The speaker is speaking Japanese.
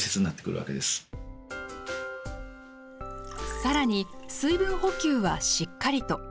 さらに、水分補給はしっかりと。